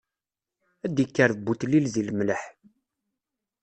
Ad ikker butlil di lemleḥ.